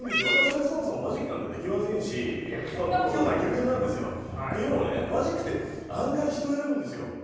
私がそもそもマジックなんてできませんし不器用な人間なんですよ。というのもマジックって案外人を選ぶんですよ。